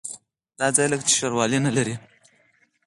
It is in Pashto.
دا ځای لکه چې ښاروالي نه لري.